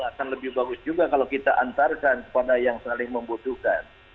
akan lebih bagus juga kalau kita antarkan kepada yang saling membutuhkan